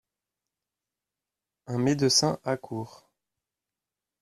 Un médecin accourt.